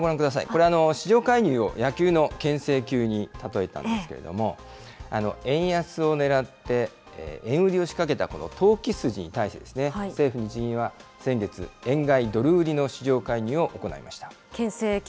これ、市場介入を野球のけん制球に例えたんですけれども、円安を狙って、円売りを仕掛けた投機筋に対して、政府・日銀は先月、円買いドル売りの市場介入を行いました。